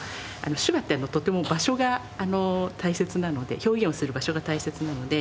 手話ってとても場所が大切なので表現をする場所が大切なので。